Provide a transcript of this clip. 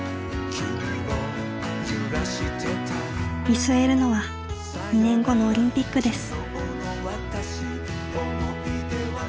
見据えるのは２年後のオリンピックです。